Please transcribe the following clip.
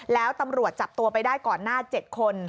แล้วตำรวจจับตัวไปได้ก่อนหน้า๗คน